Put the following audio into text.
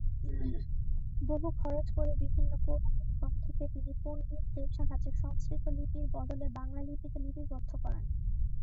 বহু খরচ করে বিভিন্ন পৌরাণিক গ্রন্থকে তিনি পণ্ডিতদের সাহায্যে সংস্কৃত লিপির বদলে বাংলা লিপিতে লিপিবদ্ধ করান।